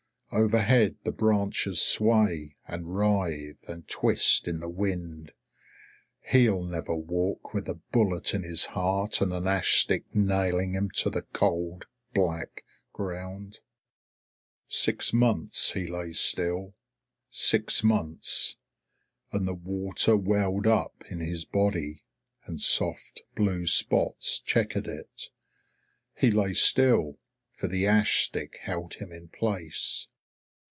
Overhead the branches sway, and writhe, and twist in the wind. He'll never walk with a bullet in his heart, and an ash stick nailing him to the cold, black ground. Six months he lay still. Six months. And the water welled up in his body, and soft blue spots chequered it. He lay still, for the ash stick held him in place.